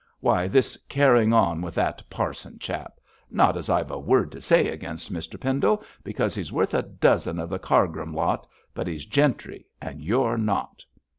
'Why, this carrying on with that parson chap. Not as I've a word to say against Mr Pendle, because he's worth a dozen of the Cargrim lot, but he's gentry and you're not!'